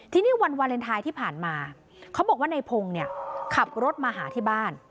ทีนี้วันวาเลนไทยที่ผ่านมาเขาบอกว่าในพงศ์เนี่ยขับรถมาหาที่บ้าน